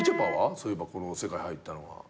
そういえばこの世界入ったのは。